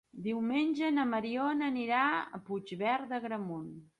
Diumenge na Mariona anirà a Puigverd d'Agramunt.